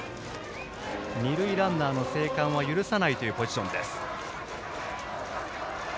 二塁ランナーの生還は許さないというポジションです。